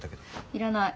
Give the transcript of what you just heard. いらない。